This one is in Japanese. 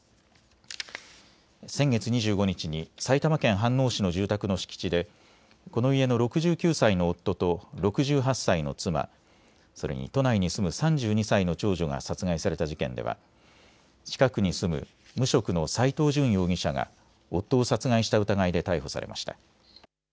先月２５日に埼玉県飯能市の住宅の敷地でこの家の６９歳の夫と６８歳の妻、それに都内に住む３２歳の長女が殺害された事件では近くに住む無職の斎藤淳容疑者が夫を殺害した疑いで逮捕されました。